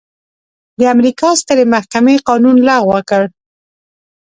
د امریکا سترې محکمې قانون لغوه کړ.